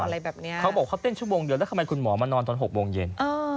เขาบอกว่าเขาเต้นชั่วโมงเดียวแล้วทำไมคุณหมอมานอนตอน๖โมงเย็น